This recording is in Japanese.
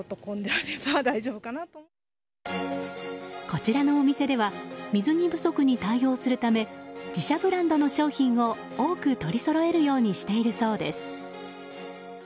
こちらのお店では水着不足に対応するため自社ブランドの商品を多く取りそろえるようにしているそうです。